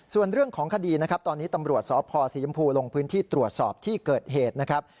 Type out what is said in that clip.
ส่วนเรื่องของคดีนะครับตอนนี้ตำรวจสพศรีชมพูลงพื้นที่ตรวจสอบที่เกิดเหตุนะครับ